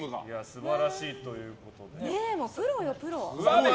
素晴らしいということで。